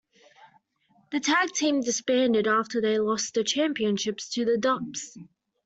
The tag team disbanded after they lost the Championships to The Dupps.